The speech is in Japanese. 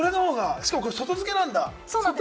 しかもこれ、外付けなんだ。